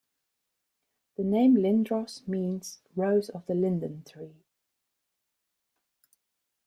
The name "Lindros" means "Rose of the Linden tree".